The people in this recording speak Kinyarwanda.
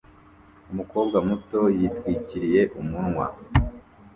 Umukobwa muto yitwikiriye umunwa